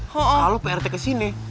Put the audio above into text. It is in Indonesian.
kalau pak rt kesini